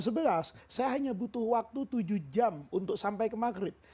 saya hanya butuh waktu tujuh jam untuk sampai ke maghrib